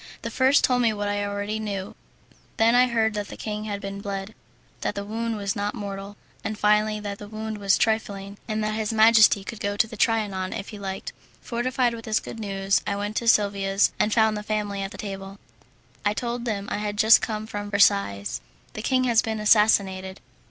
The first told me what I already knew; then I heard that the king had been bled, that the wound was not mortal, and finally, that the wound was trifling, and that his majesty could go to the Trianon if he liked. Fortified with this good news, I went to Silvia's and found the family at table. I told them I had just come from Versailles. "The king has been assassinated."